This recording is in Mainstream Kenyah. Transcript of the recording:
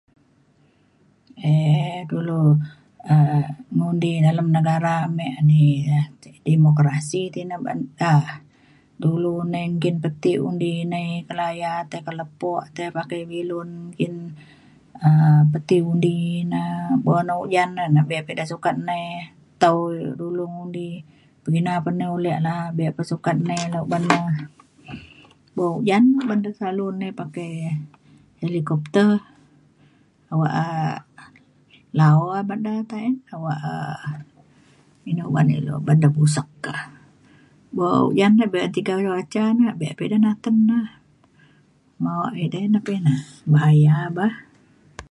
um dulu um ngundi dalem negara me ni demokrasi ti na uban da dulu nei nggin peti undi nai ke laya tai ke lepo tei pakai bilun nggin um peti undi ina. buk na ujan na be pa ia’ ida sukat nai tau dulu ngundi. pekina pa nai ulek la’a be’un pa sukat nai na uban nu buk ujan ban de selalu nai pakai helikopter awak um la’o uban da tain awak um ina uban ilu ban du busek ka . buk ujan le be’un tiga cuaca be pa ida naten na maok idai na pe ina bahaya bah